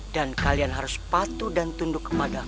dan kalian harus patuh dan tunduk kepadaku